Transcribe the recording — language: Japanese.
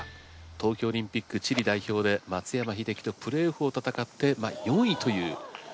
東京オリンピックチリ代表で松山英樹とプレーオフを戦ってまあ４位という。